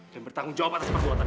dan bertanggung jawab atas perbuatan